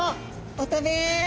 お食べ。